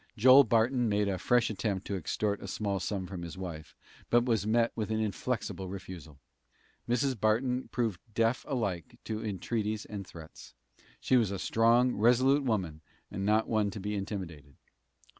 Joel Barton made a fresh attempt to extort a small sum from his wife, but was met with an inflexible refusal. Mrs. Barton proved deaf alike to entreaties and threats. She was a strong, resolute woman, and not one to be intimidated.